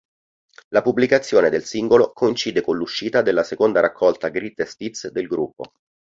La pubblicazione del singolo coincide con l'uscita della seconda raccolta "Greatest Hits" del gruppo.